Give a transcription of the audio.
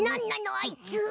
あいつ！